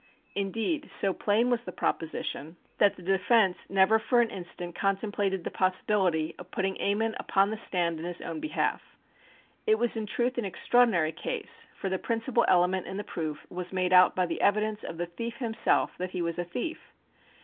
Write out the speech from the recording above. Indeed so plain was the proposition that the defence never for an instant contemplated the possibility of putting Ammon upon the stand in his own behalf. It was in truth an extraordinary case, for the principal element in the proof was made out by the evidence of the thief himself that he was a thief.